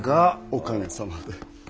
おかげさまで。